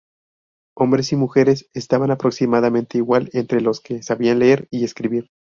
Hombres y mujeres estaban aproximadamente igual entre los que sabían leer y escribir.